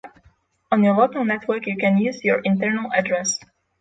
On your local network you can use your internal address